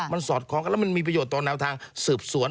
มันสอดคล้องกันแล้วมันมีประโยชน์ต่อแนวทางสืบสวน